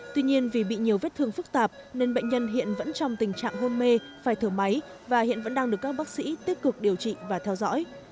tuy nhiên vì bị nhiều vết thương phức tạp nên bệnh nhân hiện vẫn trong tình trạng hôn mê phải thở máy và hiện vẫn đang được các bác sĩ tích cực điều trị và theo dõi